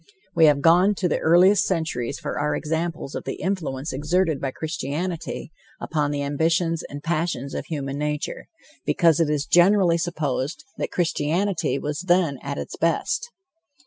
We have gone to the earliest centuries for our examples of the influence exerted by Christianity upon the ambitions and passions of human nature, because it is generally supposed that Christianity was then at its best.